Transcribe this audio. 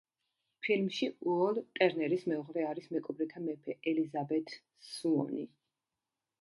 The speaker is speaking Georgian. ფილმში უოლ ტერნერის მეუღლე არის მეკობრეთა მეფე ელიზაბეთ სუონი.